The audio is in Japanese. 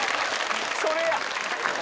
それや！